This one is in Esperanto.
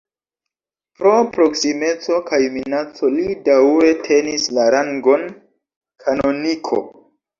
Pro proksimeco kaj minaco li daŭre tenis la rangon kanoniko.